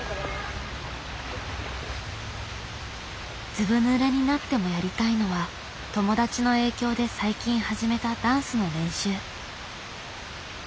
ずぶぬれになってもやりたいのは友達の影響で最近始めたダンスの練習。